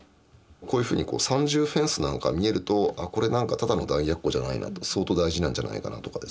こういうふうに３重フェンスなんか見えるとあこれ何かただの弾薬庫じゃないなと相当大事なんじゃないかなとかですね